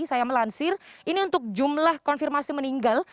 saya melansir ini untuk jumlah konfirmasi meninggal